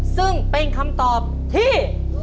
ซึ่งเป็นคำตอบที่